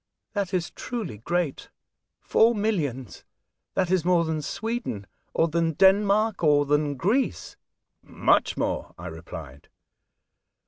" That is truly great. Four millions ! That is more than Sweden, or than Denmark, or than Greece !"" Much me^e," I replied.